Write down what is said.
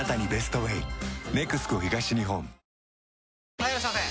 ・はいいらっしゃいませ！